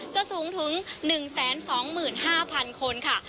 สูงถึง๑๒๕๐๐๐คนค่ะ